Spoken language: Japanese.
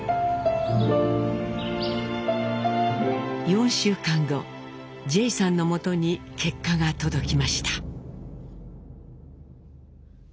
４週間後ジェイさんのもとに結果が届きました。